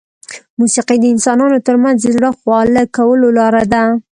موسیقي د انسانانو ترمنځ د زړه خواله کولو لاره ده.